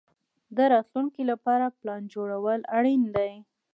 د راتلونکي لپاره پلان جوړول اړین دي.